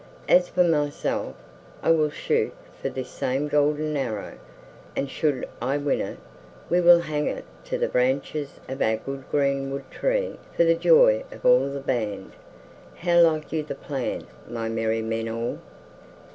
As for myself, I will shoot for this same golden arrow, and should I win it, we will hang it to the branches of our good greenwood tree for the joy of all the band. How like you the plan, my merry men all?"